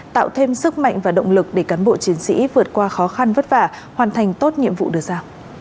tạo thêm sức mạnh và động lực để cán bộ chiến sĩ vượt qua khó khăn vất vả hoàn thành tốt nhiệm vụ được giao